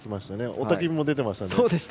雄たけびも出てました。